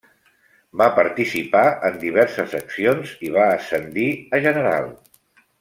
Va participar en diverses accions i va ascendir a general.